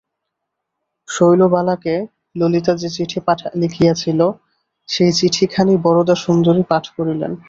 শৈলবালাকে ললিতা যে চিঠি লিখিয়াছিল সেই চিঠিখানি বরদাসুন্দরী পাঠ করিলেন।